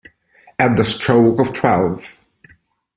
At the Stroke of Twelve